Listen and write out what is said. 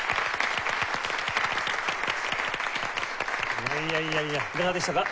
いやいやいやいやいかがでしたか？